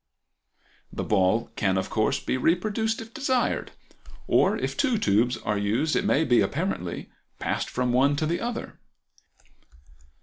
The ball can of course be reproduced if desired; or if two tubes are used it may be, apparently, passed from one to the other.